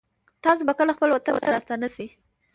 تاسو به کله خپل وطن ته راستانه شئ